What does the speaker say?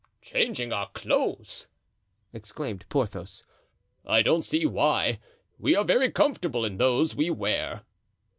"Changing our clothes!" exclaimed Porthos. "I don't see why; we are very comfortable in those we wear."